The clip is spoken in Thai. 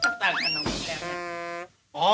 ก็สารขนมขึ้นสาร